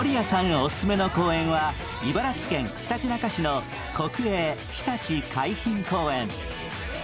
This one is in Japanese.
オススメの公園は、茨城県ひたちなか市の国営ひたち海浜公園。